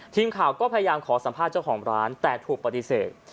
ทีมข่าวก็พยายามขอสัมภาษณ์เจ้าของร้านแต่ถูกปฏิเสธ